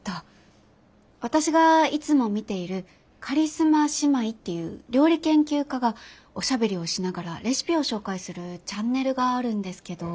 私がいつも見ているカリスマ姉妹っていう料理研究家がおしゃべりをしながらレシピを紹介するチャンネルがあるんですけど。